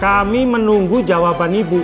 kami menunggu jawaban ibu